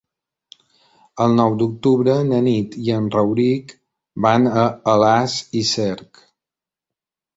El nou d'octubre na Nit i en Rauric van a Alàs i Cerc.